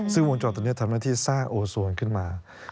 ซึ่งวงจรตัวนี้ทำหน้าที่สร้างโอโซนขึ้นมา